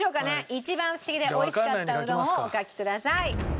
一番フシギで美味しかったうどんをお書きください。